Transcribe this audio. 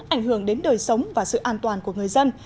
ảnh hưởng đến đời sống và sự an toàn của người dân